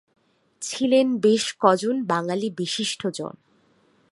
ছিলেন বেশ কজন বাঙালি বিশিষ্ট জন।